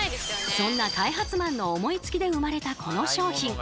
そんな開発マンの思いつきで生まれたこの商品。